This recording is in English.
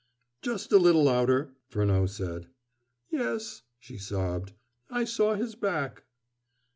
"Just a little louder," Furneaux said. "Yes," she sobbed, "I saw his back."